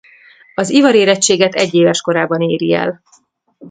Az ivarérettséget egyéves korában éri el.